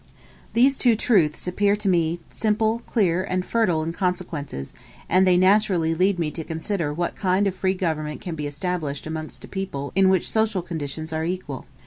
These two truths appear to me simple, clear, and fertile in consequences; and they naturally lead me to consider what kind of free government can be established amongst a people in which social conditions are equal.